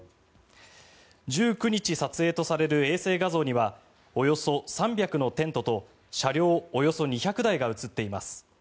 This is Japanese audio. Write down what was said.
１９日撮影とされる衛星画像にはおよそ３００のテントと車両およそ２００台が写っています。